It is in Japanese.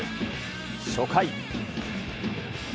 初回。